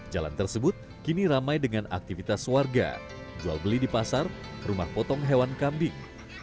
jalan tersebut kini ramai dengan aktivitas warga jual beli di pasar rumah potong hewan kambing